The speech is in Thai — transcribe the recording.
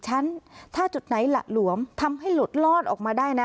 ฉันถ้าจุดไหนหละหลวมทำให้หลุดลอดออกมาได้นะ